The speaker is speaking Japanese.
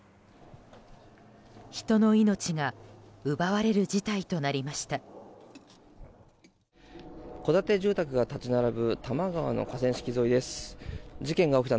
人の命が奪われる事態となりました。